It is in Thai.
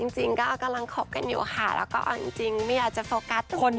จริงก็กำลังคบกันอยู่ค่ะแล้วก็เอาจริงไม่อยากจะโฟกัสคน